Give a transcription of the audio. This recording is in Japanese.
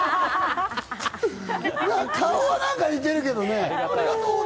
顔は何か似てるけどね。